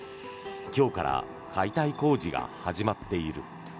今日から解体工事が始まっている。